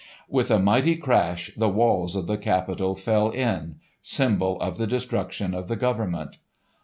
With a mighty crash the walls of the Capitol fell in—symbol of the destruction of the government.